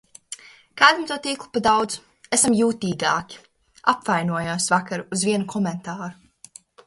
Kādam to tīklu pa daudz. Esam jūtīgāki. Apvainojos vakar uz vienu komentāru.